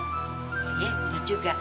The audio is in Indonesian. oh iya bener juga